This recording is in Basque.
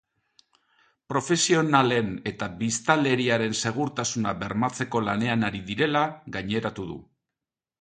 Profesionalen eta biztanleriaren segurtasuna bermatzeko lanean ari direla gaineratu du.